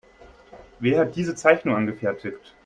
Wer hat diese Zeichnung angefertigt?